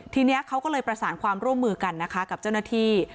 ทีนี้เขาก็เลยประสานความร่วมมือกันนะคะกับเจ้าหน้าที่